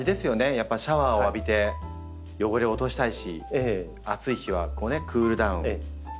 やっぱりシャワーを浴びて汚れを落としたいし暑い日はクールダウンしたいですもんね。